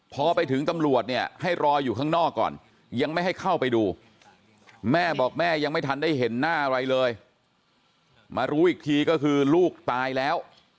พอไปถึงตำรวจเนี่ยให้รออยู่ข้างนอกก่อนยังไม่ให้เข้าไปดูแม่บอกแม่ยังไม่ทันได้เห็นหน้าอะไรเลยมารู้อีกทีก็คือลูกตายแล้ว